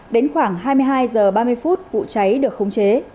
đến khoảng hai mươi hai h ba mươi phút vụ cháy được khống chế